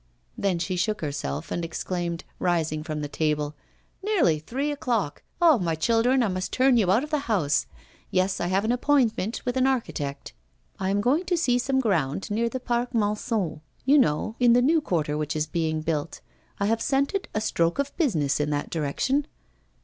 Then she shook herself, and exclaimed, rising from the table: 'Nearly three o'clock! Ah! my children, I must turn you out of the house. Yes, I have an appointment with an architect; I am going to see some ground near the Parc Monceau, you know, in the new quarter which is being built. I have scented a stroke of business in that direction.